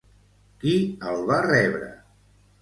Qui el va rebre?